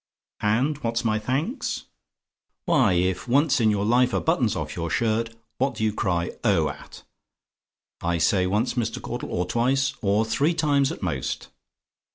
And what's my thanks? Why, if once in your life a button's off your shirt what do you cry 'OH' at? I say once, Mr. Caudle; or twice, or three times, at most.